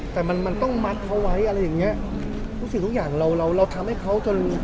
แต่มันมันต้องมัดเขาไว้อะไรอย่างเงี้ยรู้สึกทุกอย่างเราเราทำให้เขาจน